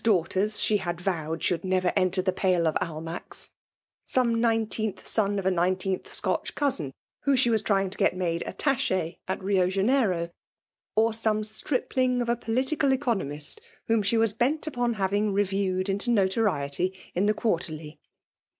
271 daughters she bad vowed should never entar the pale of Ahnack*s; some nineteenth son of a nineteenth Scotch cousin, whom she was ^^^S ^^ S^^ made attache at Rio Janeiro ; or some stripling of a political economist, whom ahe was bent upon having reviewed into noto riety in the Quarterly.